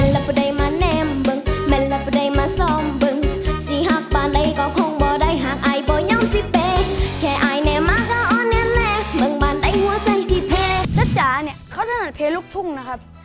แล้วจ๋าเนี่ยเขาถนัดเพลงลูกทุ่งนะครับ